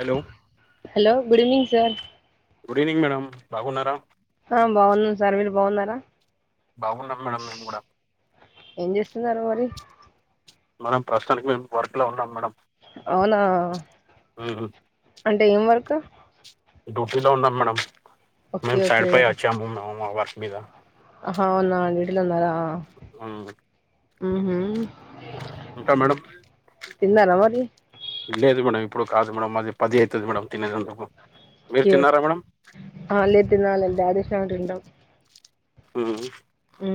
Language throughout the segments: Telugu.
Hello hello good evening sir good evening madam బాగున్నారా ఆ బాగున్నా సార్ మీరు బాగున్నారా బాగున్నాం మేడం మేము కూడా తిన్నారా మరి మేడం ప్రస్తుతానికి మేము వర్క్ లో ఉన్నాం మేడం అవునా మ్మ్. అంటే ఏం వర్కు డ్యూటీలో ఉన్నా మేడం మ ఓకే ఓకే సైడ్ పై వచ్చాము మా వర్క్ మీద ఆ అవునా డ్యూటీ లో ఉన్నారా అవు ఉ ఊ మేడం తిన్నార మరి లేదు మేడం ఇప్పుడు కాదు మాది పది అవుతుంది మేడం తినేదందుకు మీరు తిన్నారా మేడం ఆ అ లే తినాలి డాడీ వచ్చింకా తిందాం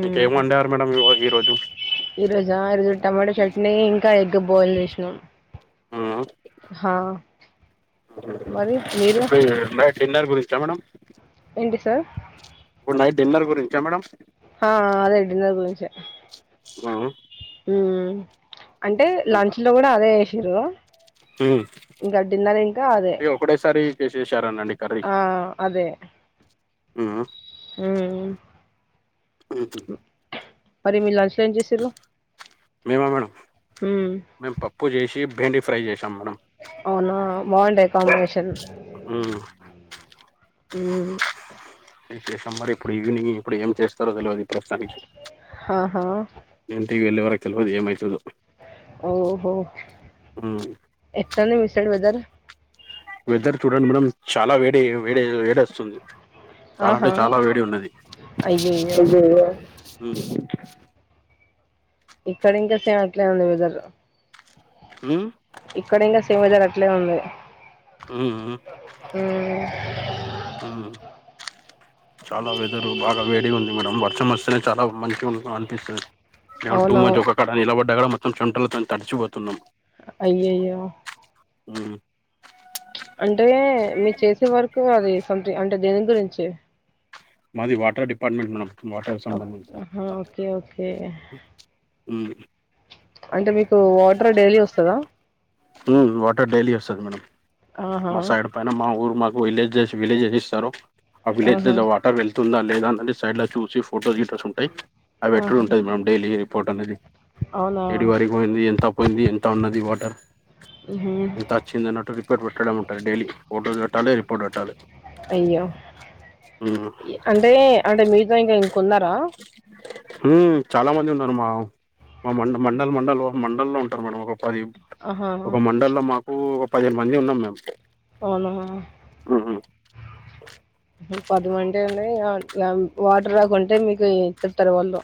ఇంకేం వండారు మేడం ఇవాల ఈ రోజు ఈ రోజా ఈ రోజు టమాటో చట్నీ ఇంకా ఎగ్ బాయిల్ చేసినాం ఆ హా మరి మీరు ఇప్పుడు నైట్ డిన్నర్ గురించా మేడమ్ ఏంటి సార్ ఇప్పు నైట్ డిన్నర్ గురించా మేడం ఆ అది డిన్నర్ గురించే ఆ అంటే మ్మ్. లంచ్ లో కూడా అదే వేస్సిరు మ్మ్. ఇంకా డిన్నర్ ఇంకా అదే ఇక ఒకటేసారి చేసేసారనండి ఆ అదే ఆ హ అఓ పరిమిలాజి మేమ మేడం ఉమ్ మేము పప్పు చేసి బెండి ఫ్రై చేసినం అవునా బాగుంటది కాంబినేషన్ ఉమ్ అ చేసాం మరి ఇప్పుడు ఈవినింగ్ ఇప్పుడు ఏం చేస్తారో తెలియదు ప్రస్తుతానికి ఆహా ఏ ఇవి వెళ్ వరకు తెల్వదు ఏమ అవుతుదు ఓహో ఉమ్ ఎట్లానే విస బజార వెదర్ చూడండి మేడం చాలా వేడి వేడే వేడే వస్తుంది చాలా అంటే ఆహా చాలా వేడి ఉన్నది అయ్యయ్యో ఇక్కడ ఇంకా సేమ్ ఇట్లే ఉంది వెదర్ ఉమ్ ఇక్కడ ఇంకా సేమ్ వేదర్ అట్లే ఉంది ఉమ్ ఊ ఉమ్ ఉమ్ చాలా వెదరు బాగా వే వేడిగా ఉంది మేడం వర్షం వస్తనే చాలా మంచిగా అనిపిస్తుంది. [unintelligible] టూ మచ్ అవునవును ఒకక్కడ నిలబడి డగడ మొత్తం చెమటలతో తడిచిపోతున్నాం అయ్యయ్యో ఉమ్ అంటే మీరు చేసే వర్క్ అది సథింగ్ అంటే దేని గురించి మాది వాటర్ డిపార్ట్మెంట్ మేడం వాటర్ కు ఓ సంబంధించింది ఆహా ఆ ఓకే ఓకే ఉమ్ అంటే మీకు వాటర్ డైలీ వస్తదా? ఉమ్ వాటర్ డైలీ వస్తది మేడం మా ఆహా సైడ్ పైన మా ఊరు మా విలేజెస్ విలేజ్స్ఇస్తారు ఆ విలేజ్ ఆహా లో వాటర్ వెల్ తుందా లేదా అన్నది సైడ్ లో చూసి ఫోటోస్ గిటర్స్ ఉంటాయి అవి వేట్టుడు ఆహా ఉంటుంది మేడం డైలీ రిపోర్ట్ అనేది అవునా ఏడి వరకు పోయింది ఎంత పోయింది ఎంత ఉన్నది వాటర్ ఉహు ఎంత వచ్చిందన్నట్టు రిపోర్ట్ పెట్టడం ఉంటుంది డైలీ ఫోటో పెట్టాలి రిపోర్ట్ పెట్టాలే అయ్యో అంటే అంటే మీతో ఇంకా ఇంకున్నారా? ఉమ్, చాలా మంది ఉన్నారు మా మా మండ మండల్ మండల్ మండలల్లో ఉంటారు మేడం ఒక పది ఆహా ఒక మండ లో మాకు ఒక పదిహేను మంది ఉన్నాం మేము అవునా ఉమ్, ఉమ్. ఉమ్ పదిమంటే అంటే ఇగ ఇగ వాటర్ రాకుంటే మీకు చెప్తారు వాళ్ళు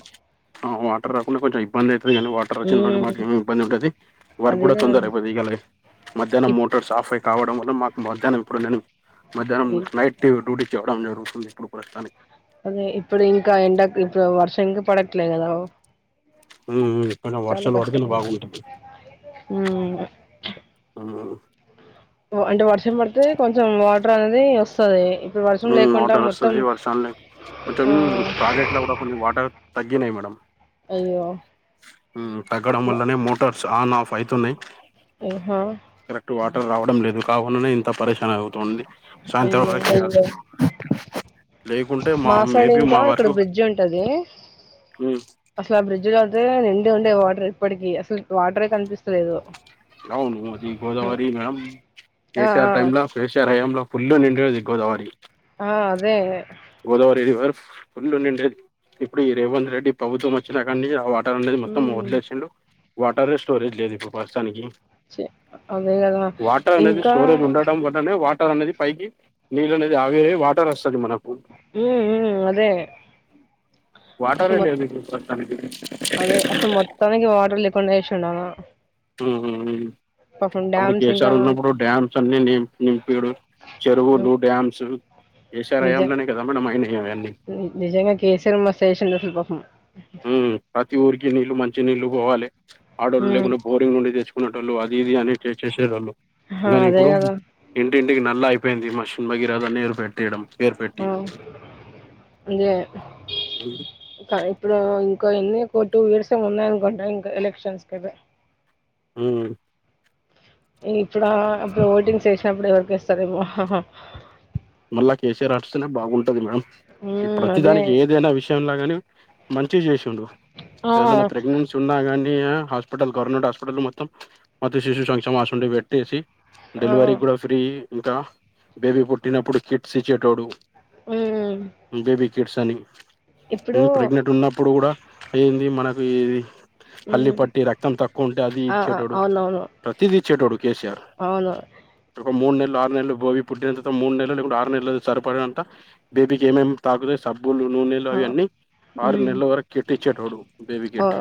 ఆ వాటర్ రాకుండా కొంచెం ఇబ్బంది అయితుది కానీ వాటర్ వచ్చిన రోజు ఉమ్ మాకేమి ఇబ్బంది ఉండది వర్క్ అదే కూడా కదా తొందర అయిపోది ఇయ్యాలే మధ్యాహ్న ఇప్ మోటార్స్ ఆఫ్ అయి రావడం వల్ల మాకు మధ్యాహ్నం ఇప్పుడు నేను మధ్యాహ్నం ఇ నైట్ డ్యూ డ్యూటీ చేయడం లేరు. అదే ఇప్పుడు ఇంకా ఎండకి ఇప్పుడు వర్షంకి పడట్లేదు కదా! హ్మ్మ్ ఏమన్నా చాలా వర్షాలు కష్టం పడితేనే బాగుంటుంది ఉమ్ వ్మ్ అంటే వర్షం పడితే కొంచెం వాటర్ అనేది వస్తది ఇప్పుడు వర్షం హ్మ్ లేకుండా వాటర్ మొత్తం వస్తది వర్షాన్ని కొంచెం ఆ ప్రాజెక్ట్ లా కూడా కొన్ని వాటర్ తగ్గి తగ్గినయ్ మేడం అయ్యో ఉమ్ తగ్గడం వల్లనే మోటార్స్ ఆన్ ఆఫ్ అయితున్నాయి. ఇహా కరెక్ట్ వాటర్ రావడం లేదు కాకుండానే ఇంత పరిశాన అవుతుంది సాయంత్రం అయ్యో వరకే మా సైడు మేబీ ఇంకా మా ఇక్కడ వరకు బ్రిడ్జ్ ఉంటది ఉమ్ అసలు బ్రిడ్జ్ లో అడ్రే నిండి ఉండే వాటర్ ఇప్పటికీ అసలు వాటరే కనిపిస్తలేదు. అవును అది హ్మ్. గోదావరి మేడం ఆ ఆ కేసీఆర్ టైమ్ లో కేసీఆర్ హయాంలో ఫుల్ నిండేది గోదావరి ఆ అదే గోదావరి రివర్ ఫుల్ నిండేది ఇప్పుడు ఈ రేవంత్ రెడ్డి ప్రభుత్వం వచ్చినా కానీ ఆవ టర్ ఉండేది మొత్తం ఉమ్ మోర్లు ఏసిండు వాటర్ ఏ స్టోరేజ్ లేదు ఇప్పుడు ప్రస్తుతానికి చి అదే కదా వాటర్ అనేది ఇంకా స్టోరేజ్ ఉండడం వల్లనే వాటర్ వాటర్ అనేది పైకి నీళ్ళు అనేది ఆవిరి అయి వాటర్ వస్తది మనకు హ్మ్ హ్మ్ అదే అసలు వాటరే మోత్త లేదు ఇప్పుడు ప్రస్తుతానికి అదే అసలే మొత్తానికి వాటర్ లేకపో కొనేసిండనా తూ ఉ ఉ అప్పుడు డ్యామ్స్ ఇంకా కేసీఆర్ ఉన్నప్పుడు డ్యామ్స్ అన్ని నింపి నింపిడు హ్మ్. చెరువులు డ్యామ్స్ కెసిఆర్ నిజ హయాంలోనే కదా మనం అయింనేది అవన్నీ ని నిజంగా కేసీఆర్ మస్త్ చేసిండు అసలు పాపం ఊ ప్రతి ఊరికి నీళ్ళు మంచి నీళ్ళు పోవాలే ఆడోళ్ళు ఉమ్ లేకుండా బోరింగ్ నుండి తెచ్చుకో టోళ్ళు అది ఇది అని టెస్ట్ చేసేటోళ్ళు కానీ అదే ఇప్పుడు కదా ఇంటింటికి నల్ల అయి అయిపోయింది మిషన్ భగీరథ నీరు పెట్టేయడం పేరు పెట్టి ఊ మీదే కా ఇప్పుడు కానీ లే టూ ఇయర్స్ ఉన్నాయి అనుకుంట ఇంకా ఎలక్షన్స్ కి అయితే హ్మ్ ఇప్పుడా అప్పుడు ఓటింగ్ చేేసినప్పుడు ఎవరి ఏస్తారేమో మళ్ళా కేసీఆర్ వస్తనే బాగుంటది మేడం ఈ మ్మ్ ప్రతి అదే దానికి ఏదైనా విషయంలోగాని తీసి చేసిండు ఆ ఎవరన్నా ప్రెగ్నెన్సీ ఉన్నా కానీ హాస్పిటల్ గవర్నమెంట్ హాస్పిటల్ మొత్తం మాతా శిశు సంక్షేమ అసువంటివి పెట్టేసి ఆ డెలివరీ కూడా ఫ్రీ ఇంకా బేబీ పుట్టినప్పుడు కిట్స్ ఇచ్చేటోడు మ్మ్ బేబీ కిట్స్ అని ఇప్పుడు ప్రెగ్నెంట్ ఉన్నప్పుడు కూడా ఏంది మనకు ఇది పల్లి మ్మ్ పట్టి రక్తం తక్కువ ఉంటే అది ఆ ఆ, ఇచ్చేటోడు అవునవును ప్రతిదీ ఇచ్చేటోడు కేసీఆర్ అవును ఒక మూడు నెలలు ఆరు నెలలు బోవి పుట్టినంత మూడు నెలలు లేకుండా ఆరు నెలలు సరిపోయే అంత సులభంగా బేబీకి ఏమేమి తాకు సబ్ బులులు నూనెలు ఆ అవి ఆన్నీ ఆరు మ్మ్ నెలల వరకు ఎత్తిచ్చేటొడు బేబీ ఆ కిట్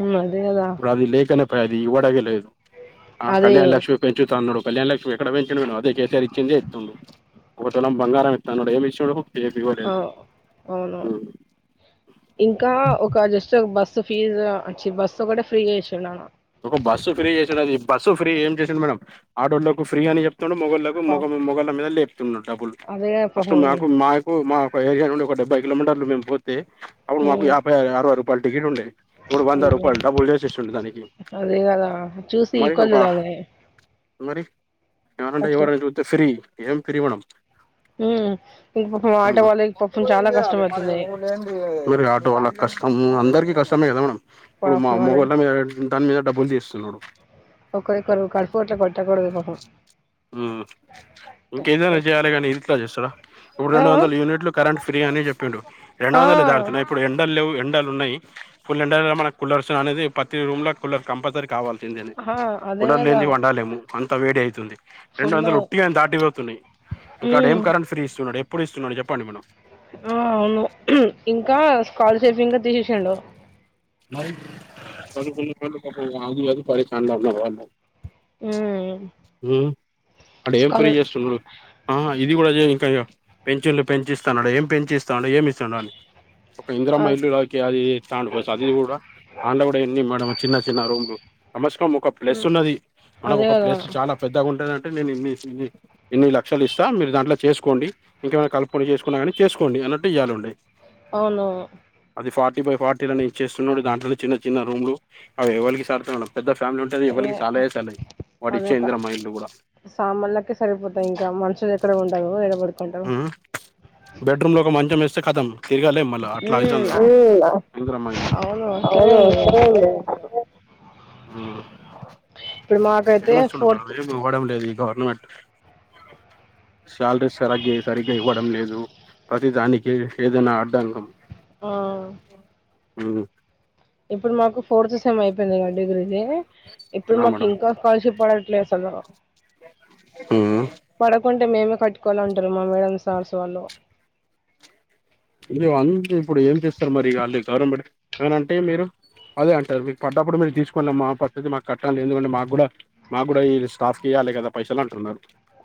మ్మ్ అదే కదా ఇప్పుడు అది లేకనే అది ఇవాడగే లేదు ఆ అదే కళ్యాణ్ లక్ష్మి పెంచుతా అన్నాడు కళ్యాణ లక్ష్మీ ఎక్కడ పెంచినాడు అదే కే సి ఆర్ ఇచ్చిందే ఇత్తుండు ఒక తులం బంగారం ఇస్తా ఆన్నాడు ఏమి ఇచ్చిండు ఏమి ఇవ్వలేదు అవ్ అవును ఇంకా ఒక జస్ట్ బస్సు ఫీజు వచ్చి బస్సు ఒకటే కూడా ఫ్రీగా ఇచ్చిండు ఆయన ఒక బస్సు ఫ్రీ చేసాడు అది బస్సు ఫ్రీ ఏం చేసిండు మేడం ఆడోళ్ళకు ఫ్రీ అని చెప్ మొగళ్లకు మొగ పాపం మొగళ్ళ మీద లేపుతున్నా డబ్బులు అదే ఫస్ట్ పాపం మాకు మాకు మా ఒక ఏరియా నుడి ఒక డెబ్బై కిలోమీటర్లు మేము పోతే అప్పుడు మాకు మ్మ్ యాభై ఆ అరవ రపాయలు టికట్ ఉండే ఇప్పుడు వంద అయ్యో రూపాయలు డబల్ చేసే చేసిండు దానికి అదే కదా చూసి మరి ఈక్వల్ ఒక చూడాలే మరి ఎరంటే ఎవరూ అని చూస్తే ఫీ ఏం ప్రీ మేడం ఉమ్ ఇంక పాపం ఆ ఆటో ఆ వాళ్ళకి పాపం మట్టిలో ఏం చాలా కష్టం చేయాలి మరి అవుతుంది నువ్వు లేనిది కష్టం అందరికి కష్టమే కదా మేడం ఇప్పుడు మా పాపం అదే మొగోళ్ళ మీద దాని మీద డబ్బులు చేస్తున్నాడు ఒకరికొకరు కడుపు ఆట్లా కొట్ట కూడదు పాపం ఉమ్ ఇంకేదైనా చేయాలి కానీ ఇట్లా చేస్తడా ఇప్పుడు ఆ రెండు వందల యూనిట్లు కరెంట్ ఫ్రీ అని చెప్పిండు రెండు ఆ వందలు దాటుతున్నాయి ఇప్పుడు ఎండలేవ్ ఎం ఉన్నాయి ఫుల్ ఎండ మన కులర్స్ అనేది పతి రూమ్ లో కూలర్ కంపల్సరీ కావాలి ఏంది ఏంది ఆ అదే కులర్ కదా లేనిది వండాలేము అంతా వేడి అయతుంది రెండు ఫుల్ వందలు ఒట్టిగా దాటిపోతున్నాయి ఇంకాడ ఏం ఉమ్ కరెంట్ ఫ్రీ ఇస్తున్నాడు ఇప్పుడు ఇస్తున్నాడు చెప్పండి మేడం ఆ అవును ఇంకా స్కాలర్షిప్స్ ఇంకా తీసేసిండు చదువుకొని వాళ్లు పాపం [unintelligible] పరేషాన్ల ఉన్నరు వాళ్లు ఉమ్ ఆడ ఏం పని స్కాలర్ చేస్తున్నాడు ఆ ఇది కూడా ఇంకా పెన్షన్లు పెంచి ఇస్తాన్నాడు ఏం పెంచిస్తాడు ఏమి ఇస్తాడు వాని ఒక అ ఇంద్రమ్మ ఇల్లు ఇస్తాండు ఫస్ట్ అది కూడా అల్ల కూడా ఎన్ని మేడం చిన్న చిన్న రూమ్లు కనీసం ఒక ప్లస్ ఉన్నది మనకి అదే ఒక కదా ప్లేస్ పెద్దగా ఉంటదంటే నేను ఇన్ని ఇన్ని లక్షలు ఇస్తా దాంట్ల చేసుకోండి ఇంకేమన్నా కలుపుకొని చేస్ చేసుకోండి అన్నట్టు ఇయ్యాలుండే అవును ఫార్టీ ఫై ఫార్టీలానే ఇచ్చేస్తున్నాడు దాంట్లో చిన్న చిన్న రూములు అవి ఎవరికి సాల్తయ్ మేడం పెద్ద ఫ్యామిలీ ఉంటది ఎవ్వలికి సాలయే సాలవ్ వాడి ఇంకా సామాన్లకే సరిపోతాయి ఇంకా మనుషులు ఎక్కడ ఉంటాము ఏడ పడు ఉ బెడ్రూంలో ఒక మంచం వేస్తే కతం తిరుగలేం అట్లా ఉమ్ అయితుంది ఆ ఇందిరమ్మ ఇల్లు అవును అట్లనే అవును ఉంది అసలే అసలు ఇప్పుడు మాకైతే ఏమిస్తుండు మేడం ఫోర్త్ ఏమి ఇవ్వడం లేదు గవర్నమెంట్ శాలరీస్ సరికి సరిగ్గా ఇవ్వడం లేదు ప్రతి దానికి ఏదున్న అడ్డాకం ఆ ఉమ్ ఇప్పుడు మాకు ఫోర్త్ సెమ్ అయిపోయిందిగా డిగ్రీది ఇప్పుడు నా మాకు ఇంకా స్కాలర్షిప్ పడ లే అసలు ఊ అంటే మేమే కట్టుకోవాలంటుర్రు మా మేడం సార్స్ వాళ్ళు అంతే ఇప్పుడు ఏం చేస్తారు మరి అల్లూ గవర్నమెంట్ ఏమన్నా అంటే మీరు అదే అంటారు మీకు పడ్డప్పుడు మీరు తీసుకోండి అమ్మ మా పద్ధతి మాకు కట్టాలి ఎందుకంటే మాకు కూడా మాకు కూడా ఈ స్టాఫ్కి ఇయ్య కదా పైసలు అంటున్నారు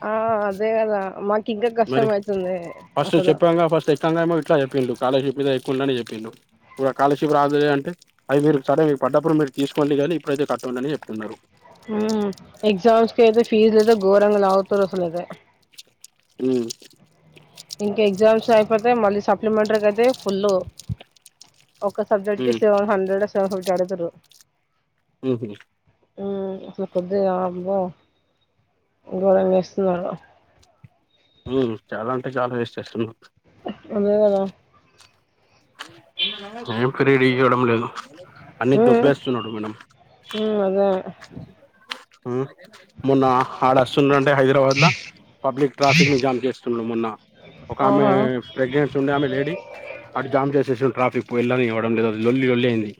ఆ అదే కదా మాకు ఇంకా మరి కష్టం అయితుంది ఫస్ట్ అసలు చెప్పాంగా ఫస్ట్ ఎక్కంగా ఏమో ఇట్లా చెప్పిండు కాలేజ్ ఫీజు ఎక్కువ ఉందనే చెప్పిండు స్కాలర్షిప్ రాదులే అంటే అది మీరు సరే మీకు పడ్డప్పుడు మీరు తీసుకోండి కానీ ఇప్పుడైతే కట్టండి అని చెప్తున్నారు ఎగ్జామ్స్కి అయితే ఫీజు అయితే ఘోరంగా లావుతారు అసలు అయితే ఉమ్ ఇంకా ఎగ్జామ్స్ అయిపోతే మళ్ళీ సప్లిమెంటరీ కి అయితే ఫులు ఒక్క సబ్జెక్ట్కి ఉమ్ సెవెన్ హండ్రెడ్ సెవెన్ ఫిఫ్టీ అడుగుతుర్రు ఉమ్ మ్మ్ కొద్దిగా అమ్మో గోరం చేస్తున్నారు చాలా అంటే చాలా వేస్ట్ చేస్తున్నారు అదే కదా ఎంకరేజ్ ఇయ్యడం లేదు అన్ని ఉ దొబ్బేస్తున్నాడు మేడం ఉ ఊ అదే ఉ మొన్న ఆడ వస్తున్నాడు అంటే హైదరాబాద్ లో పబ్లిక్ ట్రాఫిక్ ని జామ్ చేస్తున్నాడు మొన్న ఒక ఆమె ఆహా ప్రెగ్నెన్సీ ఉండే ఆమె లేడీ అటు జామ్ చేసేసిండు ట్రాఫిక్ వెళ్ళని లొల్లి లొల్లి అయింది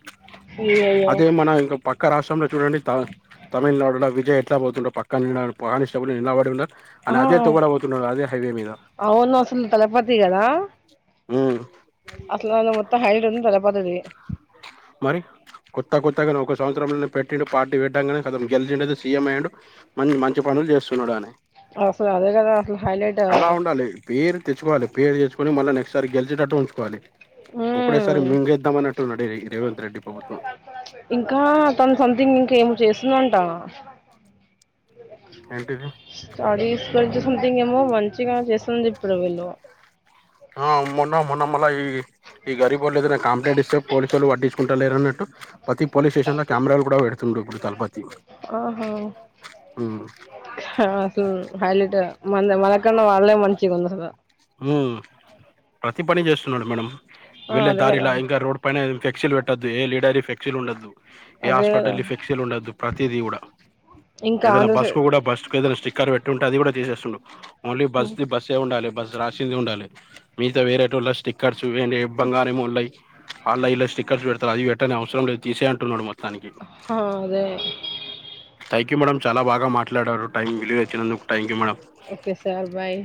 అయ్యయ్యో అదే మన ఇంకా పక్క రాష్ట్రంల చూడండి తమిళనాడుల విజయ్ ఇట్లా పోతుండు పక్కన ఉన్న కానిస్టేబుల్ నీలబడి ఉండ అనే ఆ అదే తొవ్వల పోతున్నారు అదే హైవే మీద అవును అసలు తలపతి ఉమ్ అసల్ అళ్ళ మొత్తం హైలేట్ ఉంది తలపాతిది మరి కొత్త కొత్తగానే ఒక సంవత్సరంలనే పెట్టిండు పార్టీ పెట్టంగానే కతం గెలిచిండు సీఎం అఇండు మన్ మంచి పను లు చేస్తున్నాడయనే అసలు అదే కదా అసలు హైలైట్ అలా ఉండాలి పేరు తెచ్చుకోవాలి పేరు తెచ్చు కొని మళ్ళీ నెక్స్ట్ సారి గెలిచేటట్టు ఉంచుకోవాలి మ్మ్ ఒకటేసారి మింగేద్దాం అన్నటు నడి ఇంకా తను సంథింగ్ ఇంకా ఏం చేస్తుందంటావా ఏంటిది [unintelligible] సంథింగ్ ఏమో మంచిగా చేస్తుంది ఇప్పుడు వీళ్ళు ఆ మొన్న మొన్న మళ్ళ ఈ ఈ గరిీ బోర్లు ఏదైనా కంప్లంట్ ఇస్తే పోలీసుళ్ళుడ్టించకుంటారు లేరన్నట్టు ప్రతి పోలీస్ స్టేషన్ లో కెమెరాలు కూడా పెడుతుండు ఇప్పుడు తలపతి ఆహ ఉమ్ అ సు హైలైట్ మ మనకన్న వాళ్ళే మంచిగుంది మ్ ప్రతి పని చేస్తున్నాడు మేడం ఆ వెళ్ళే అదే కదా దారిలా ఇంకా రోడ్ పైన ఫెక్సిల్లు పెట్టద్దు ఏ లీడర్వి ఫ్లెక్సిల్ ఉండద్దు ఏ అదే కదా హాస్పిటల్ వి ఫిక్సల్ ఉండద్దు ప్రతిదీ కూడా ఇంకా ఏదైనా ఆంధ్ర బస్ కు సైడ్ కూడా బస్ ఏదైనా స్టిక్కర్ పెట్టి ఉంటే అది కూడా తీసేస్తుండు ఓన్లీ బస్ బస్స్ ఉండాలి బస్ రాసింది ఉండాలి మీగత వేరేటోళ్ళ స్టిక్కర్ చ్చు బంగారమొళ్ళయి ఆన్లైన్ లస్టిక్కర్స్ పెడతారు అది పెట్టని అవసరం లేదు తీసై అంటున్నాడు మ హ అదే క్ మేడం చాలా బాగా మాట్లాడారు టైం విలువ ఇచ్చినందుకు thank you madam okay sir bye